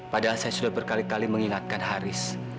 padahal saya sudah berkali kali mengingatkan haris